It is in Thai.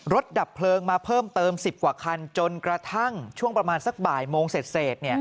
ดับเพลิงมาเพิ่มเติม๑๐กว่าคันจนกระทั่งช่วงประมาณสักบ่ายโมงเสร็จ